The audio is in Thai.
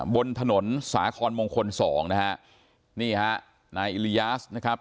บนถนนสาขอนมงคล๒นะฮะนี่ฮะนายอิลลียาสนะครับ